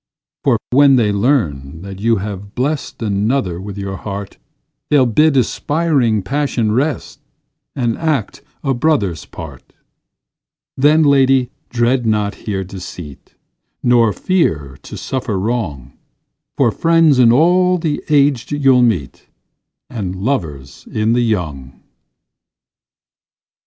For when they learn that you have blest Another with your heart, They'll bid aspiring passion rest, And act a brother's part; Then, lady, dread not here deceit, Nor fear to suffer wrong; For friends in all the aged you'll meet, And lovers in the young.